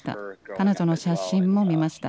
彼女の写真も見ました。